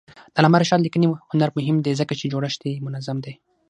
د علامه رشاد لیکنی هنر مهم دی ځکه چې جوړښت یې منظم دی.